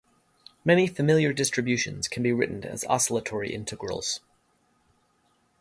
Many familiar distributions can be written as oscillatory integrals.